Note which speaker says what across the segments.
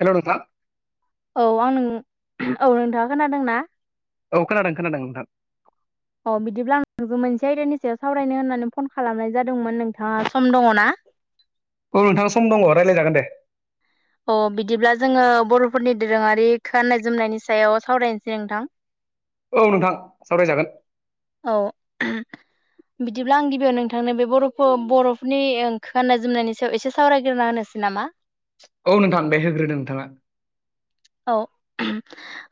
Speaker 1: हेल' नोंथां
Speaker 2: औ आं नों औ नोंथाङा खोनादोंना?
Speaker 1: औ खोनादों खोनादों नोंथां
Speaker 2: अ बिदिब्ला नुगौमोन। बे आयदानि सायाव सावरायनो होननानै फन खालामनाय जादोंमोन नोंथाङा सम दङना?
Speaker 1: औ नोंथां सम दङ रायज्लायजागोन दे।
Speaker 2: अ बिदिब्ला जोङो बर'फोरनि दोरोङारि खाननाय जोमनायनि सायाव सावरायनोसै नोंथां।
Speaker 1: औ नोंथां सावरायजागोन।
Speaker 2: औ बिदिब्ला आं गिबियाव नोंथांनो बे बर'खौ बर'फोरनि गाननाय जोमनायनि सायाव एसे सावरायग्रोना होनो। सि नामा
Speaker 1: औ नोंथां दे होनग्रोदो नोंथाङा।
Speaker 2: औ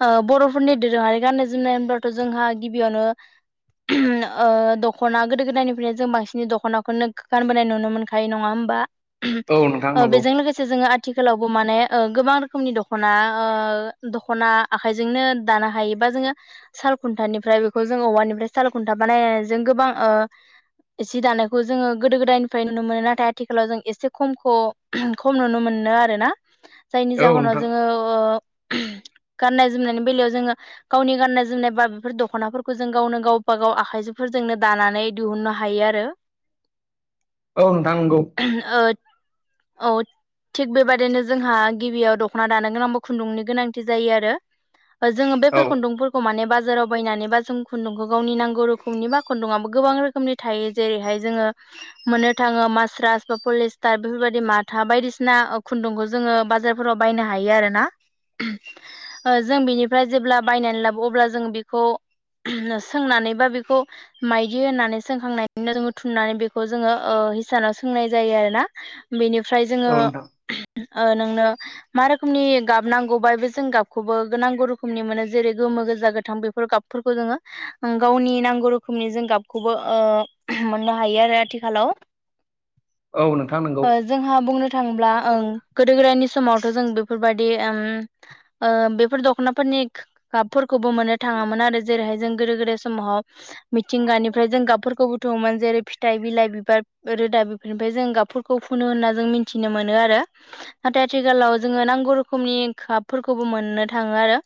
Speaker 2: ओ बर'फोरनि दोरोङारि गाननाय जोमनाय होनब्लाथ' जोंहा गिबियावनो दख'ना गोदो गोदायनिफ्रायनो जों बांसिन दख'नाखौनो गानबोनाय नुनो मोनखायो नङामोन।
Speaker 1: औ नोंथां
Speaker 2: बा
Speaker 1: नंगौ
Speaker 2: बेजों लोगोसे जोङो आथिखालावबो माने गोबां रोखोमनि दख'ना ओ दखना आखायजोंनो दानो हायोबा जोङो साल खुन्थानिफ्राय बेखौ जों औवानि फ्राय साल खुन्था माने जों गोबां ओ जि दानायखौ जोङो गोदो गोदायनिफ्राय नुनो मोनो नाथाय आथिखालाव जों एसे खमखौ खम नुनो मोनो। मोनो आरोना जायनि
Speaker 1: औ
Speaker 2: जाहोनाव
Speaker 1: नोंथां
Speaker 2: जोङो। गाननाय जोमनायनि बेलायाव जोङो गावनि गाननाय जोमनाय बा बेफोर दख'नाफोरखौ जों गावनो गावबा गाव आखाइजों। फोरजोंनो दानानै दिहुननो हायो आरो।
Speaker 1: औ नोंथां नंगौ।
Speaker 2: ओ औ थिग बेबायदिनो जोंहा गिबियाव दख'ना दानो गोनां। खुन्दुंनि गोनांथि जायो आरो जोङो
Speaker 1: औ
Speaker 2: बेफोर खुन्दुंफोरखौ माने बाजार। बाजाराव बायनानै बा जों खुन्दुंखौ गावनि नांगौ रोखोमनि बा खुन्दुंआबो गोबां रोखोमनि थायो जेरैहाय जोङो। मोननो थाङो मास्रास बा पलिस्टार बेफोरबायदि माथा बायदिसिना खुन्दुंखौ जोङो बाजार फोराव बायनो हायो आरोना। ओ जों बेनिफ्राय जेब्ला बायनानै लाबो अब्ला जों बेखौ सोंनानै बा बेखौ माइदि होननानै सोंखांनायनिनो जों थुननानै बेखौ जोङो। हिसानाव सोंनाय जायो आरोना। बेनि ओमफ्राय जोङो
Speaker 1: औ नोंथां
Speaker 2: नोंनो मा रोखोमनि गाबनांगौ बाबो जों गाबखौबो नांगौ रोखोमनि मोनो जेरै गोमो गोजा गोथां बेफोर गाबफोरखौ जोङो गावनि नांगौ रोखोमनि जों गाबखौबो ओ मोननो हायो आरो आथिखालाव।
Speaker 1: औ नोंथां नंगौ
Speaker 2: ओ जोंहा बुंनो थाङोब्ला ओं गोदो गोदायनि समावथ' जों बेफोरबायदि दि उम ओ बेफोर दख'नाफोरनि गाबफोरखौबो मोननो थाङामोन आरो जेरैहाय जों गोदो गोदायनि समाव। मिथिंगानिफ्राय जों गाबफोरखौ बुथुमङोमोन जेरै फिथाइ बिलाइ बिबार रोदा बेफोरनिफ्राय जों गाबफोर खौ फुनो होनना जों मिथिनो मोनो आरो नाथाय आथिखालाव जोंङो नांगौ रोख रोखोमनि गाबफोरखौबो मोननो थाङो आरो।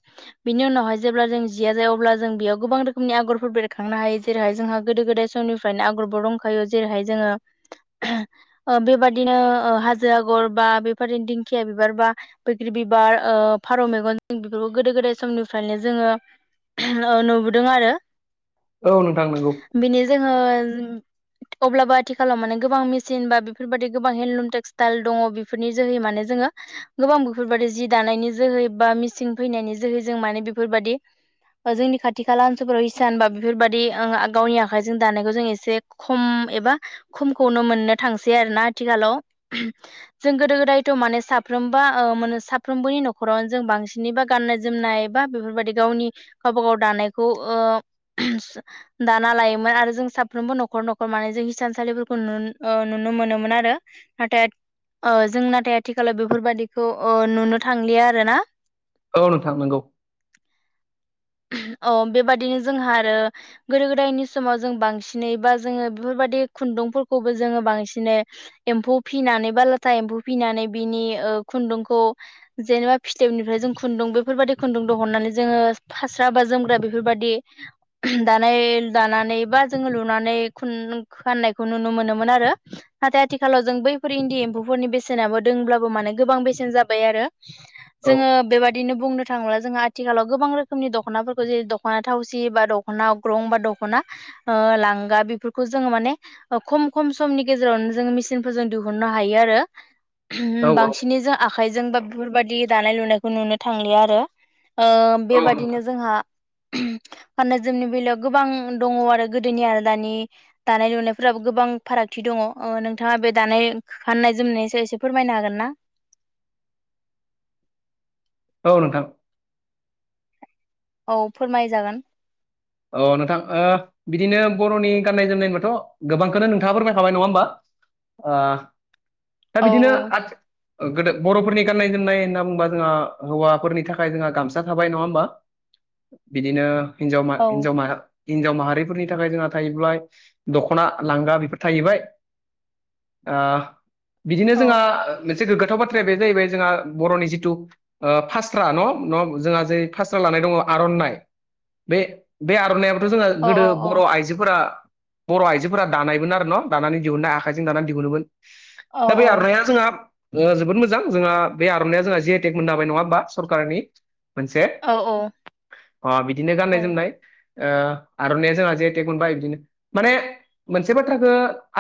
Speaker 2: बिनि उनावहाय जेब्ला जों जिया जाया अब्ला जों बेयाव गोबां गोबां रोखोमनि आगरफोर बेरखांनो हायो जेरैहाय जोंहा गोदो गोदाय समनिफ्रायनो आगरबो दंखायो जेरैहाय जोङो ओ बेबादिनो ओ हाजो आगर बा बेफोर दिंखिया बिबार बा बैग्रि बिबार ओ फारौ मेगन बेफोरखौ गोदो गोदाय समनिफ्रायनो जोङो ओ नुबोदों आरो
Speaker 1: औ नोंथां नंगौ
Speaker 2: बिनि जोङो। अब्लाबो आथिखालाव माने गोबां मेसिन बा बेफोरबादि गोबां हेन्दलुम टेक्सटाइल दङ बेफोरनि जोहै माने माने जोङो। गोबां बेफोरबायदि जि दानायनि जोहै बा मिसिं फैनायनि जोहै जों माने बेफोरबादि ओ जोंनि खाथि खाला ओनसोलफोराव हिसान बा बेफोरबादि गावनि आखाइजों दानायखौ जों एसे खम। एबा खमखौनो मोननो थांसै आरोना आथिखालाव। जों गोदो गोदायथ माने‌ साफ्रोम बा ओ मानो साफ्रोमबोनि नखरावनो जों बांसिनै बा गाननाय जोमनाय बा बेफोरबादि गावनि गावबा गाव दानायखौ ओ [unintelligible] दाना लोयोमोन आरो जों साफ्रोमबो नखर नखर माने जों हिसान सालिफोरखौ नुन ओ नुनो मोनोमोन आरो नाथाय ओ जों नाथाय आथिखालाव बेफोरबादि बेखौ ओ‌ नुनो थांलिया आरो ना
Speaker 1: औ नोंथां नोंगौ
Speaker 2: [unintelligible] औ बेबादिनो जोंहा आरो गोदो गोदायनि समाव जों बांसिनै बा जोङो बेफोरबादि खुन दुं फोरखौबो जोङो बांसिनै एम्फौ फिनानै बा लाथा फिनानै बिनि ओ खुन्दुं खुुंखौ जेनेबा फिथोबनिफ्राय जों खुन्दुं बेफोरबादि खुन्दुं दहननानै जोङो फास्रा बा जोमग्रा बेफोरबादि [unintelligible] दानाय दानानै बा जोङो लुनानै खुन गाननायखौ नुनो मोनोमोन आरो नाथाय आथिखालाव जों बैफोर इन्दि एम्फौफोरनि बेसेनाबो दोंब्लाबो माने गोबां बेसेन जाबाय आरो
Speaker 1: औ
Speaker 2: जोङो बेबादिनो बुंनो थाङोब्ला जोंहा आथिखालाव गोबां रोखोम खोमनि दखनाफोरखौ जेरै दखना थावसि बा दखना अग्रं बा दखना ओ लांगा बेफोरखौ जो जों माने खम खम समनि गेजेरावनो जोङो मेचिनफोरजों दिहुननो हायो आरो [unintelligible]
Speaker 1: औ औ
Speaker 2: बांसिनैजों आखाइजों जोंबा बेफोरबादि दानाय लुनायखौ नुनो थांलिया आरो ओ
Speaker 1: औ नोंथां
Speaker 2: बेबादिनो जोंहा [unintelligible] गाननाय जोमनि बेलायाव गोबां दङ आरो गोदोनि आरो दानि दानाय लुनायफोराबो गोब बां फारागथि दङ ओ नोंथाङा बे दानाय गाननाय जोमनायनि सायाव इसे फोरमायनो हागोन ना? [inaudible]
Speaker 1: औ नोंथां।
Speaker 2: औ फोरमाय जागोन।
Speaker 1: अ नोंथां ओ बिदिनो बरनि गाननाय जोमनाय होमबाथ गोबांखौनो नोंथाङा फोरमाय खाबाय नङा होमबा? आह दा
Speaker 2: औ
Speaker 1: बिदिनो आथ गोदो बरफोरनि गान्नाय जोमनाय होनना बुंबा जोंहा हौवाफोरनि थाखाय जोंहा गामसा थाबाय नङा होमबा बिदिनो हिनजाव मा
Speaker 2: औ
Speaker 1: हिनजाव माहा हिनजाव माहारिफोरनि थाखाय जोंहा थाहैब्लाय दखना लांगा बेफोर थाहैबाय आह बिदिनो
Speaker 2: औ
Speaker 1: जोंहा से गोगाथाव बाथ्राया बे जाहैबाय जोंहा बरनि जिथु ओ फास्रा न न जोंहा जे फास्रा लानाय दङ आरननाइ बे आरनायाबोथ जोंहा
Speaker 2: औ
Speaker 1: गोदो
Speaker 2: औ
Speaker 1: बर आइजोफोरा बर आइजोफोरा दानायमोन आरो न दानानै दिहुनन्नाय आखाइजों दानानै दिहुनोमोन दा बे आरनाया जोंहा ओ जोबोद मोजां जोंहा बे आरनाइया जोंहा जि आइ टेक मोननो हाबाय नङा होमबा सरखारनि मोनसे
Speaker 2: औ
Speaker 1: अ बिदिनो गाननाय जोमनाय ओ आरनाया जोंहा जिआइ टेक मोनबाय बिदिनो माने मोनसे बाथ्राखो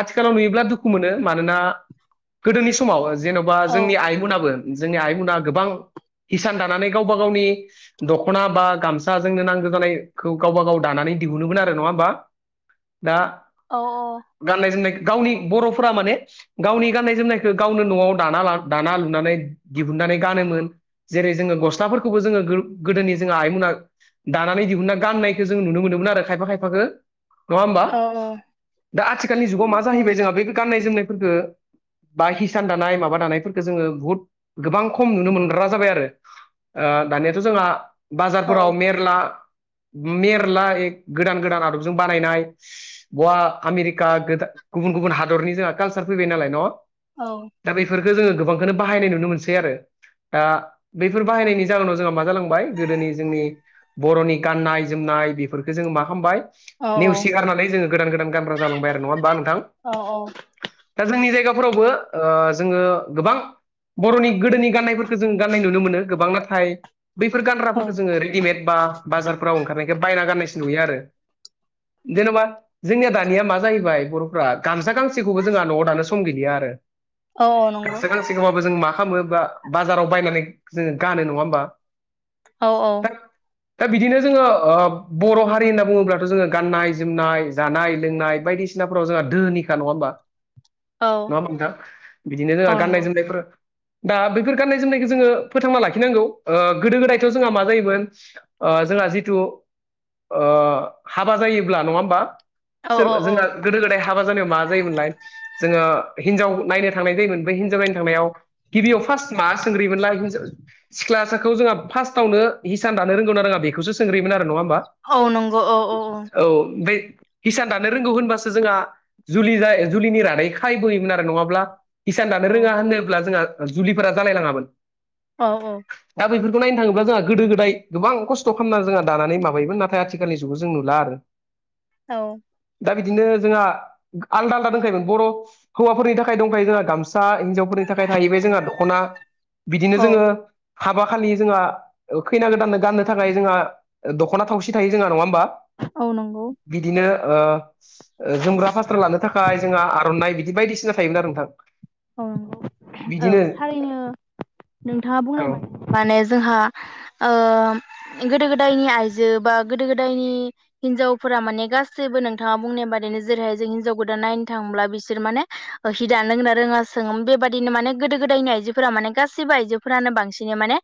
Speaker 1: आथिखालाव नुयोब्ला दुखु मोनो मानोना
Speaker 2: [inaudible]
Speaker 1: गोदोनि समाव जेनबा
Speaker 2: औ
Speaker 1: जोंनि आइमोनाबो जोंनि आइमुना गोबां हिसान दानानै गावबा गावनि दखना बा गामसा जोंनो नांगो जानाय खौ गावबा गाव दानानै दिहुनोमोन आरो नङा होमबा दा
Speaker 2: औ
Speaker 1: गाननाय जोमनाय गावनि बरफोरा माने गावनि गाननाय जोमनायखौ गावनो नआव दाना लाना दाना लुनानै दिहुन नानै गानोमोन जेरै जोङो गस्लाफोरखौबो जोङो गोदो गोदोनि जोंहा आइमोना दानानै दिहुनना गाननायखौ जों नुनो मोनोमोन आरो खायफा खायफाखो नङा होमबा? दा आथिखालनि जुगाव मा जाहैबाय जोंहा बे गाननाय जोमनायफोरखो बा हिसान दानाय माबा दानायफोरखौ जोङो बुहुद गोबां खम नुनो मोनग्रा जाबाय आरो ओ दानियाथ' जोंहा बाजारफोराव मेरला मेरला ए गोदान गोदान आदबजों बानायनाय [unintelligible] गवा आमेरिका गुबुन गुबुन हादरनि जोंहा कालसार फैबाय नालाय न'
Speaker 2: औ।
Speaker 1: गोजो गोबांखौनो बाहायनाय नुनो मोनसै आरो दा बेफोर बाहायनायनि जाहोनाव जोंहा मा जालांबाय गोदोनि जोंनि बर'नि गाननाय जोमनाय बेफोरखौ जोङो मा खामबाय नेवसिगारनानै जोङो गोदान गोदान गानब्रा जालांबाय आरो नङा होमबा नोंथां? दा जोंनि जायगाफोरावबो ओ जोङो गोबां बर'नि गोदोनि गाननायफोरखौ जों गाननाय नुनो मोनो गोबां नाथाय बैफोर गानग्राफोरखौ जोङो रेडिमेड बा बाजारफोराव ओंखारनायखो बायना गाननायसो नुयो आरो जेन'बा जोंनिया दानिया मा जाहैबाय बर'फ्रा गामसा गांसेखौबो जोंहा न'वाव दानो सम गैलिया आरो
Speaker 2: नंगौ
Speaker 1: गामसा गांसे खौबाबो जों मा खामो बा बाजाराव बायनानै जोङो गानो नङा ओमबा
Speaker 2: औ औ
Speaker 1: दा बिदिनो जोङो ओ बर' हारि होनना बुङोब्लाथ' जोङो गाननाय जोमनाय जानाय लोंनाय बायदिसिनाफ्राव जोंहा दोहोनि खा नङा ओमबा
Speaker 2: औ
Speaker 1: नङा ओमबा नोंथां बिदिनो
Speaker 2: औ नंगौ औ
Speaker 1: जोंहा गाननाय जोमनायफोर दा बैफोर गाननाय जोमनायखौ जोङो फोथांना लाखिनांगौ ओ गोदो गोदायथ' जोंहा मा जायोमोन ओ जोंहा जिथु ओ हाबा जायोब्ला नङा ओमबा सोर जोंहा गोदो गोदाय हाबा जानायाव मा जायोमोनलाय जोङो हिनजाव नायनो थांनाय जायोमोन बे हिनजाव नायनो थांनायाव गिबियाव फास मा सोंग्रोयोमोनलाय सिख्लाखौ जोंहा फार्स्टआवनो हिसान दानो रोंगौ आरो आङं बेखौसो सोंग्रोयोमोन आरो बा
Speaker 2: औ नंगौ औ नंगौ औ
Speaker 1: औ ओमफ्राय हिसान दानो रोंगौ होनबासो जोंङा जुलि जा जुलिनि रादै खायबोयोमोन आरो नङाब्ला इसान दानो
Speaker 2: औ
Speaker 1: रोङा होनोब्ला जोंहा जुलिफोरा जालायलाङामोन
Speaker 2: औ औ
Speaker 1: दा बेफोरखौ नायनो थाङोब्ला जोंहा गोदो गोदाय गोबां खस्थ' खालामना जोंङा दानानै माबायोमोन नाथाय आथिखालनि जुगाव जों नुला आरो
Speaker 2: औ
Speaker 1: दा बिदिनो जोंहा आलदा आलदा दोंखायोमोन बर' हौवाफोरनि थाखाय दंखायो जोंहा गामसा हिनजावफोरनि थाखाय थाहैबाय जोंहा दख'ना
Speaker 2: औ
Speaker 1: बिदिनो जोङो हाबा खालि जोंहा खैना गोदाननो गाननो थाखाय जोंहा दख'ना थावसि थायो जोंहा नङा होमबा
Speaker 2: औ नंगौ
Speaker 1: बिदिनो ओ जोमग्रा फास्रा लानो थाखाय जोंहा आर'नाइ बिदि बायदिसिना थायोमोन आरो नोंथां
Speaker 2: औ औ
Speaker 1: बिदिनो
Speaker 2: नंगौ थारैनो नोंथाङा बुंनाय
Speaker 1: औ
Speaker 2: बा माने जोंहा ओ गोदो गोदायनि आइजो बा गोदो गोदायनि हिनजावफोरा माने गासैबो नोंथाङा बुंनाय बादिनो जेरैहाय जों हिनजाव गोदान नायनो थांब्ला बिसोर माने हिदानो रोंगोना रोङा सोङोमोन बेबायादिनो माने गोदो गोदायनि आइजोफोरा माने गासिबो आइजोफोरानो बांसिनै माने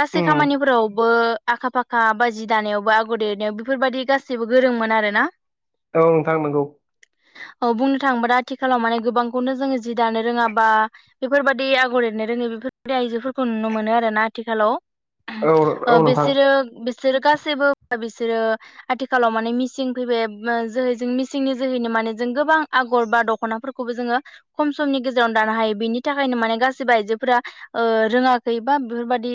Speaker 2: गासै
Speaker 1: उम
Speaker 2: खामानिफोरावबो आखा फाखा बा जि दानायावबो बा आगर देरनायाव बेफोरबायदि गासैबो गोरोंमोन आरो ना
Speaker 1: औ नोंथां नंगौ।
Speaker 2: औ बुंनो थाङोबा दा आथिखालाव माने गोबांखौनो जोङो जि दानो रोङा बा बेफोरबायदि आगर एरनो रोङै बेफोरबायदि आइजोफोरखौ नुनो मोनो आरोना आथिखालाव
Speaker 1: औ औ
Speaker 2: ओ
Speaker 1: नोंथां
Speaker 2: बेसोरो बिसोरो गासैबो बिसोरो आथिखालाव माने मिसिं फैबाय जोहैजों मिसिंनि जोहैनो मा माने जों गोबां आगर बा दख'नाफोरखौबो जोङो खम समनि गेजे रावनो दानो हायो बेनि थाखायनो माने गासिबो आइजोफोरा ओ- रोङाखै बा बेफोरबायदि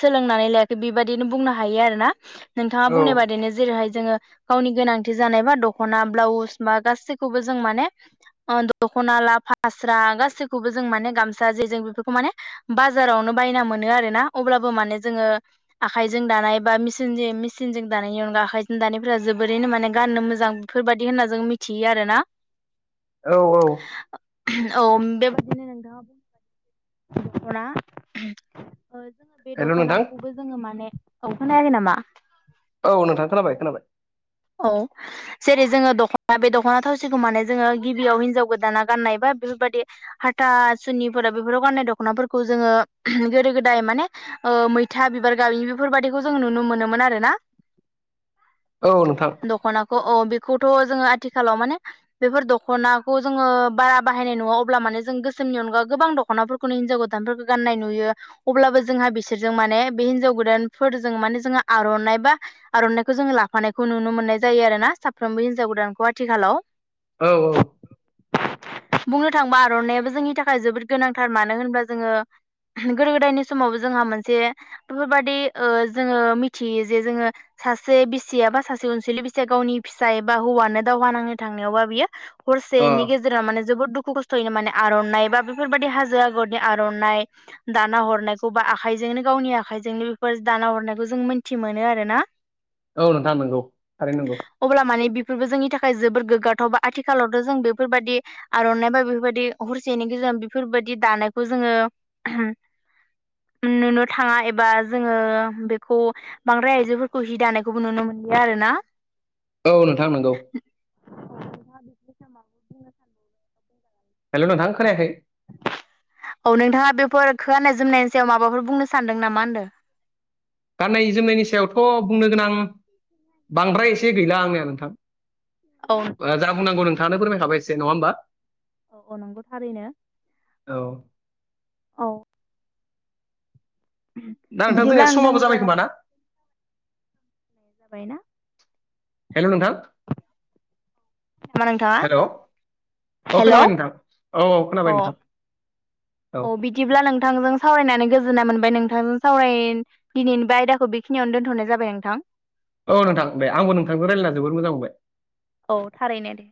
Speaker 2: सोलों बुंनानै लायाखै बेबायदिनो बुंनो हायो आरोना नोंथाङा
Speaker 1: औ
Speaker 2: बुंनाय बादिनो जेरैहाय जोङो गावनि गोनांथि जानायबा दख'ना ब्लाउस बा गासैखौबो जों माने ओ द खना ला फास [unintelligible] स्रा गासैखौबो जों माने गामसा जे जों बेफोरखौ माने बाजारावनो बायना मोनो आरोना अब्लाबो माने जोङो आखाइजों दानाय बान मेसिनजों मेसिनजों दानायनि अनगा आखाइजों दानायफोरा जोबोरैनो माने गाननो मोजां बेफोरबायदि होनना जों मिथियो आरोना
Speaker 1: औ औ
Speaker 2: औ बेबायददिनो नोंथाङाना [inaudible] बे
Speaker 1: हेल' नोंथां
Speaker 2: दख'नाखौबो जोङो माने औ खोनयाखै नामा?
Speaker 1: औ नोंथां खोनाबाय खोनाबाय
Speaker 2: औ जेरै जोङो दख'ना बे दख'ना थावसिखौ माने जोङो गिबियाव हिनजाव गोदाना गाननाय बा बेफोरबायादि हाथा सुनिफोराव बेफोराव गाननाय दख'नाफोरखौ जोङो गोदो गोदाय माने ओ मैथा बिबार गाबि बेफोरबायाददिखौ जों नुनो मोनोमोन आरो ना
Speaker 1: औ नोंथां
Speaker 2: अ बेखौथ' जोङो आथिखालाव माने बेफोर दख'नाखौ जोङो बारा बाहायनाय नङा अब्ला माने जों गोसोमनि अनगा गोबां दख'नाफोरखौनो हिनजाव गोदानफोरखौ गाननाय नुयो अब्लाबो जोंहा बिसोरजों माने बे हिनजाव गोदानफोरजों माने जोङो आर'नाइ बा आर'नाइखौ जों ला फानायखौ नुनो मोननाय जायो आरोना साफ्रोमबो हिन्जाव गोदानखौ आथिखालाव।
Speaker 1: औ औ
Speaker 2: बुंनो थाङोबा आर'नायइाबो जोंनि थाखाय जोबोद गोनांथार मानो होनबा जोङो गोदो गोदायनि समाव जोंहा मोनसे बेफोरबाददि ओ जोङो मिथियो जे जोङो सासे बिसिया बा सासे अनसुलि बिसिया गावनि फिसाय बा हौवानो दावहा नांनो थांनायावबा बियो
Speaker 1: अ
Speaker 2: हरसेनि गेजेरा माने जोबोद दुखु खस्थ'यैनो माने आर'नाइ बा बेफोरबादि हाजो आगरनि आर'नाइ दाना हरनायखौ बा आखाय जोंनो गावनि आखाइजोंनो बेफोर दाना हरनायखौ जों मोनथि मोनो आरो ना
Speaker 1: औ नोंथां नंगौ थारैनो नंगौ
Speaker 2: अब्ला माने बेफोरबो जोंनि थाखाय जोबोर गोग्गाथाव बा आथिखालावथ' जों बेफोरबायदि आर'नाइ बा बेफोरबादि हरसेनि गेजेराव बेफोरबायदि दानायखौ जोङो नुनो थाङा एबा जोङो बेखौ बांद्राय आइजोफोरखौ हिदानाय खौबो नुनो मोनलिया आरो ना
Speaker 1: औ नोंथां नंगौ हेल' नोंथां खोनायाखै
Speaker 2: औ नोंथाङा बेफोर ख गान्नाय जोमनायनि सायाव माबाफोर बुंनो सानदों नामा होनदों
Speaker 1: गाननाय जोमनायनि सायावथ' बुंनो गोनां बांद्राय एसे गैला आंनिया नोंथां
Speaker 2: औ
Speaker 1: जा बुंनांगौ नोंथाङानो फोरमायखाबाय एसे नङा होमबा
Speaker 2: अ अ नंगौ थारैनो
Speaker 1: औ
Speaker 2: औ
Speaker 1: दा नोंथां
Speaker 2: बिदिब्ला
Speaker 1: जोंनिया समावबो
Speaker 2: नोंथांजों
Speaker 1: जाबाय खोमा ना
Speaker 2: जाबायना
Speaker 1: हेल' नोंथां
Speaker 2: नामा नोंथाङा
Speaker 1: हेल' औ
Speaker 2: हेल'
Speaker 1: खोनाबाय नोंथां औ औ खोनाब
Speaker 2: अ
Speaker 1: नोंथां
Speaker 2: औ बिदिब्ला नोंथांजों सावरायनानै गोजोननाय मोन बाय नोंथांजों सावराय दिनैनि बे आयदाखौ बेखिनियावनो दोनथ'नाय जाबाय नोंथां
Speaker 1: औ नोंथां बे आंबो नोंथांजों रायलायना जोबोर मोजां मोनबाय
Speaker 2: औ थारैनो दे।